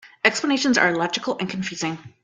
Explanations are illogical and confusing.